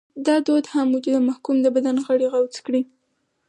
دا دود هم و چې د محکوم د بدن غړي غوڅ کړي.